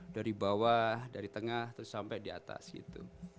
dari bawah dari tengah terus sampai di atas gitu